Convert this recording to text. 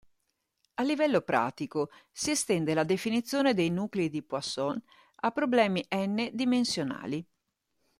A livello pratico, si estende la definizione dei nuclei di Poisson a problemi n-dimensionali.